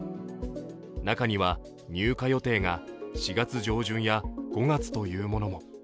中には入荷予定が４月上旬や５月というものも。